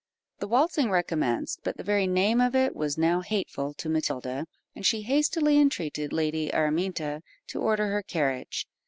The waltzing recommenced, but the very name of it was now hateful to Matilda, and she hastily entreated Lady Araminta to order her carriage.